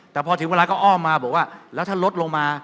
แต่พอถึงเวลาก็อ้อมมาบอกว่าแล้วถ้าลดลงมา